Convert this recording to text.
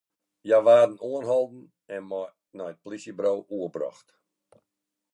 Hja waarden oanholden en nei it polysjeburo oerbrocht.